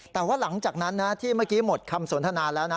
แต่ว่าหลังจากนั้นนะที่เมื่อกี้หมดคำสนทนาแล้วนะ